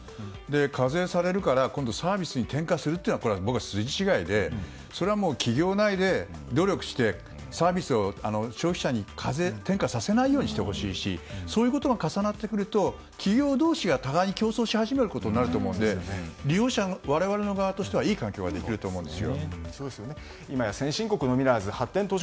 課税されるからサービスに転嫁するというのは筋違いでそれは企業内で努力してサービスを消費者に課税、転嫁させないようにしてほしいしそういうことが重なってくると企業同士が互いに競争し始めることになると思うので、我々側としてはいい環境ができると思います。